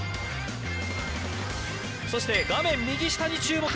そして画面右下に注目。